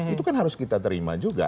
itu kan harus kita terima juga